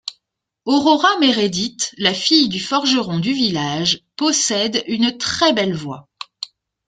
Aurora Meredith, la fille du forgeron du village, possède une très belle voix.